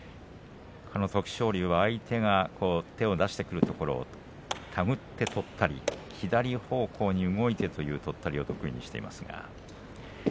徳勝龍は相手が手を出してくるところを手繰ってとったり左方向に動いてというとったりを得意としています。